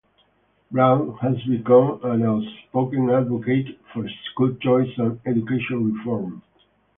Brown has become an outspoken advocate for school choice and "education reform".